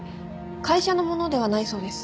会社のものではないそうです。